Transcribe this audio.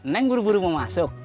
neng buru buru mau masuk